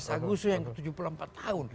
tujuh belas agustus yang tujuh puluh empat tahun